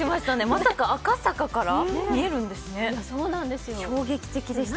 まさか赤坂から見えるんですね、衝撃的でした。